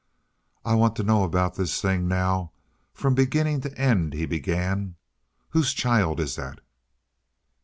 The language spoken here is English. "I want to know about this thing now from beginning to end," he began. "Whose child is that?"